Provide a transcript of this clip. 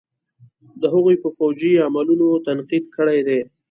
د هغوئ په فوجي عملونو تنقيد کړے دے.